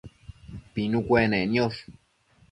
pinu cuenec niosh